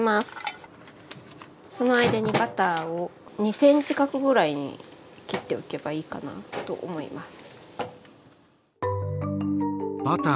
その間にバターを２ｃｍ角ぐらいに切っておけばいいかなと思います。